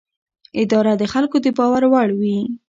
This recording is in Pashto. اداره د خلکو د باور وړ وي.